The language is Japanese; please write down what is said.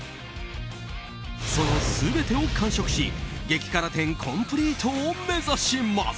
その全てを完食し激辛店コンプリートを目指します。